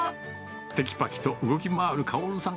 てきぱきと動き回る薫さん。